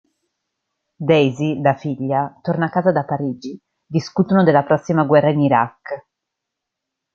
Daisy, la figlia, torna a casa da Parigi, discutono della prossima guerra in Iraq.